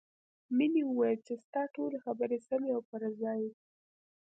مینې وویل چې ستا ټولې خبرې سمې او پر ځای دي